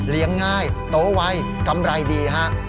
เลี้ยงง่ายโตวัยกำไรดีฮะ